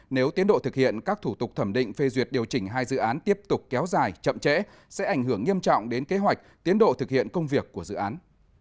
nếu tiến độ thực hiện các thủ tục thẩm định phê duyệt điều chỉnh hai dự án tiếp tục kéo dài chậm trễ sẽ ảnh hưởng nghiêm trọng đến kế hoạch tiến độ thực hiện công việc của dự án